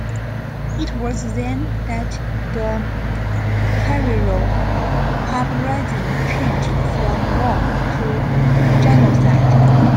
It was then that the Herero uprising changed from war, to genocide.